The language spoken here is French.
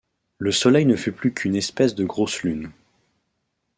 Le soleil ne fut plus qu’une espèce de grosse lune.